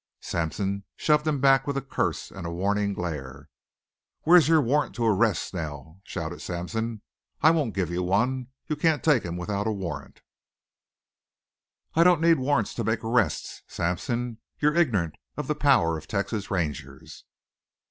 Sampson shoved him back with a curse and warning glare. "Where's your warrant to arrest Snell?" shouted Sampson. "I won't give you one. You can't take him without a warrant." "I don't need warrants to make arrests. Sampson, you're ignorant of the power of Texas Rangers."